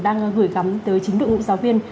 đang gửi gắm tới chính đội ngũ giáo viên